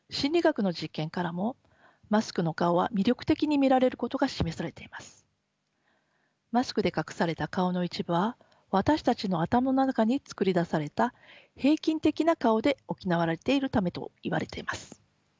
マスクで隠された顔の一部は私たちの頭の中に作り出された平均的な顔で補われているためといわれています。